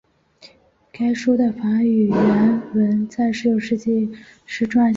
该书的法语原文在十九世纪时撰写。